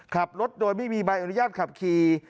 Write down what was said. ขับรถโดยไม่มีใบอนุญาตขับขี่